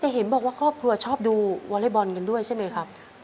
แต่เห็นบอกว่าครอบครัวชอบดูวอเล็กบอลกันด้วยใช่ไหมครับ